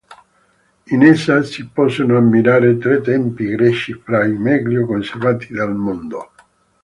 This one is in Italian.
In essa si possono ammirare tre templi greci fra i meglio conservati del mondo.